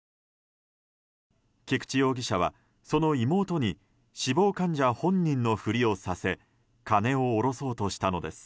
菊池容疑者は、その妹に死亡患者本人のふりをさせ金を下ろそうとしたのです。